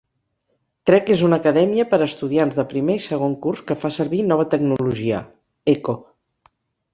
Trek és una acadèmia per a estudiants de primer i segon curs que fa servir nova tecnologia: Echo.